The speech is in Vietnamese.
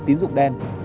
tín dụng đen